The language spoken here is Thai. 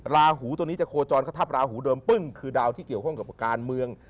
ราหูตัวนี้จะโคจรเข้าทับราหูเดิมปึ้งคือดาวที่เกี่ยวข้องกับการเมือง